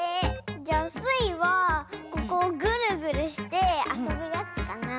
じゃスイはここをグルグルしてあそぶやつかなあ。